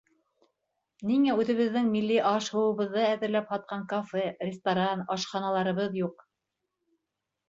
Ниңә үҙебеҙҙең милли аш-һыуыбыҙҙы әҙерләп һатҡан кафе, ресторан, ашханаларыбыҙ юҡ?